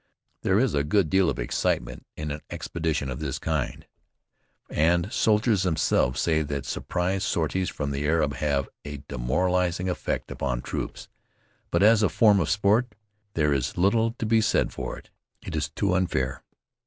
There is a good deal of excitement in an expedition of this kind, and soldiers themselves say that surprise sorties from the air have a demoralizing effect upon troops. But as a form of sport, there is little to be said for it. It is too unfair.